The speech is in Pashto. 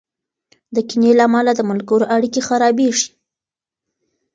د کینې له امله د ملګرو اړیکې خرابېږي.